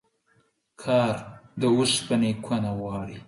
کار د اوسپني کونه غواړي.